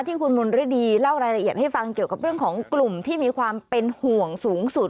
คุณมนฤดีเล่ารายละเอียดให้ฟังเกี่ยวกับเรื่องของกลุ่มที่มีความเป็นห่วงสูงสุด